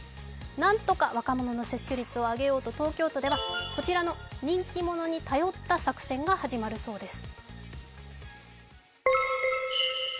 なんとか若者の接種率を上げようと東京都ではこちらの人気者に頼った作戦が始まるそうです。